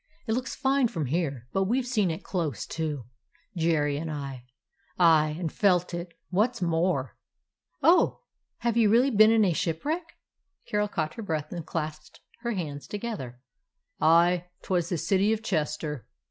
It looks fine from here,, but we Ve seen it close to, Jerry and I ; aye, and felt it, what 's more !" "Oh, have you really been in a shipwreck?" Carol caught her breath and clasped her hands together. "Aye. 'Twas the City of Chester.